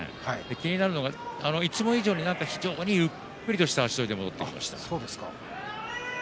気になるのが、いつも以上に非常にゆっくりとした足取りで戻ってきました。